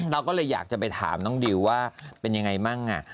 เราก็เลยอยากจะไปถามน้องดิวว่าเป็นยังไงมั่ง